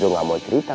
ya kenapa tante bella